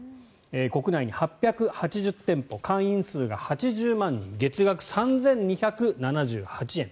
国内に８８０店舗会員数が８０万人月額３２７８円。